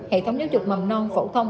hệ thống giáo dục mầm non phổ thông